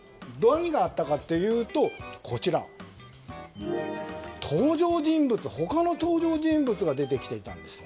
何があったかというと他の登場人物が出てきてたんです。